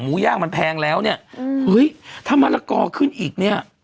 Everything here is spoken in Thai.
ย่างมันแพงแล้วเนี่ยเฮ้ยถ้ามะละกอขึ้นอีกเนี่ย